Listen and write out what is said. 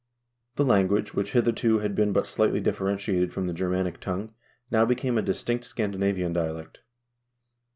The language, which hitherto had been but slightly differentiated from the Germanic tongue, now became a distinct Scandinavian dialect.